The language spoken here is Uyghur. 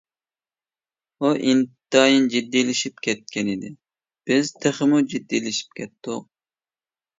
ئۇ ئىنتايىن جىددىيلىشىپ كەتكەنىدى، بىز تېخىمۇ جىددىيلىشىپ كەتتۇق.